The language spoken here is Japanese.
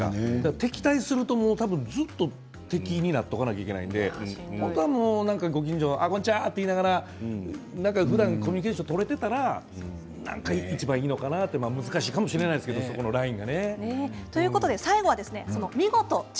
敵対するとずっと敵になっておかないといけないのでご近所こんにちはと言いながらふだんコミュニケーションが取れていたらいちばん、いいのかなと難しいかもしれないですけどそのラインが。